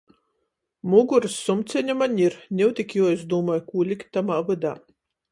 Mugorys sumceņa maņ ir, niu tik juoizdūmoj, kū likt tamā vydā.